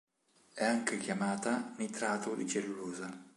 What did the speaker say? È anche chiamata "nitrato di cellulosa".